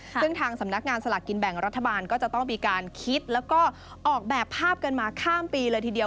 ซึ่งทางสำนักงานสลากกินแบ่งรัฐบาลก็จะต้องมีการคิดแล้วก็ออกแบบภาพกันมาข้ามปีเลยทีเดียว